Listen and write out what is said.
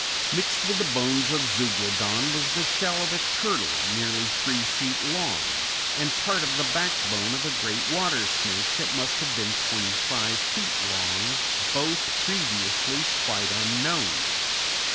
Mixed with the bones of Zeuglodon was the shell of a turtle, nearly three feet long, and part of the backbone of a great water snake that must have been twenty five feet long, both previously quite unknown.